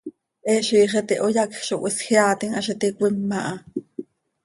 He ziix iti hoyacj zo cöhisjeaatim ha z iti cöima ha.